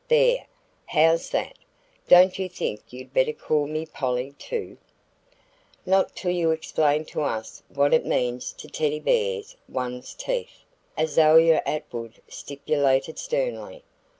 There, how's that? Don't you think you'd better call me Polly, too?" "Not till you explain to us what it means to Teddy Bear one's teeth," Azalia Atwood stipulated sternly.